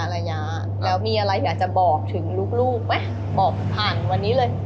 ระยะแล้วมีอะไรอยากจะบอกถึงลูกไหมบอกผ่านวันนี้เลย